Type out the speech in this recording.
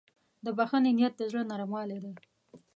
د بښنې نیت د زړه نرموالی دی.